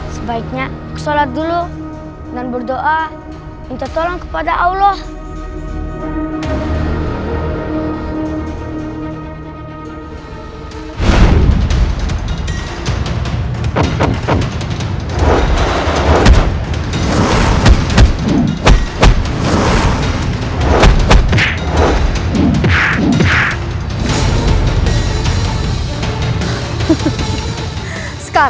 sebaiknya aku harus mencari kemampuan